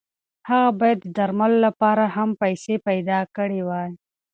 هغه باید د درملو لپاره هم پیسې پیدا کړې وای.